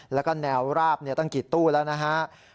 แล้วก็แนวราบตั้งกี่ตู้แล้วนะฮะ